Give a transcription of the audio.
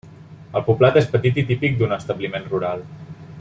El poblat és petit i típic d'un establiment rural.